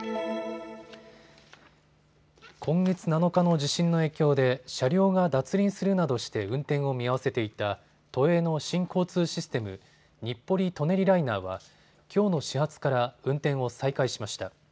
今月７日の地震の影響で車両が脱輪するなどして運転を見合わせていた都営の新交通システム、日暮里・舎人ライナーはきょうの始発から運転を再開しました。